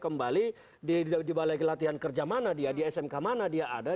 kembali di balai latihan kerja mana dia di smk mana dia ada